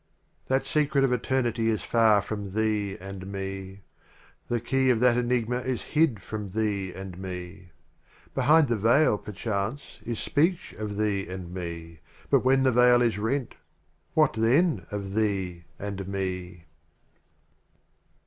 XXXII. That Secret of Eternity is far from Thee and Me; The Key of that Enigma is hid from Thee and Me; Behind the Veil, perchance, is Speech of Thee and Me, But when the Veil is rent — what then of Thee and Me